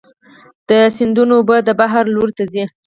د سیندونو اوبه د بحر لور ته ځي.